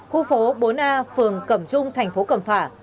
khu phố bốn a phường cẩm trung thành phố cẩm phả